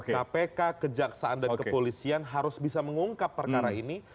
kpk kejaksaan dan kepolisian harus bisa mengungkap perkara ini